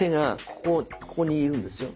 ここにいるんですよ。